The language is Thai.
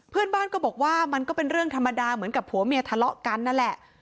เพื่อนบ้านก็บอกว่ามันก็เป็นเรื่องธรรมดาเหมือนกับผัวเมียทะเลาะกันนั่นแหละ